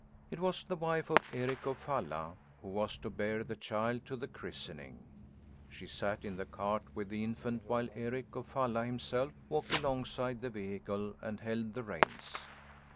It was the wife of Eric of Falla who was to bear the child to the christening. She sat in the cart with the infant while Eric of Falla, himself, walked alongside the vehicle, and held the reins.